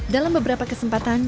dalam beberapa kesempatan